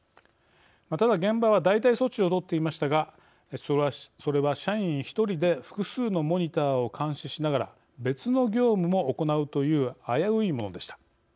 ただ、現場は代替措置をとっていましたがそれは、社員１人で複数のモニターを監視しながら別の業務も行うという危ういものでした。